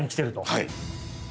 はい。